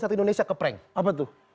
di saat indonesia ke prank apa tuh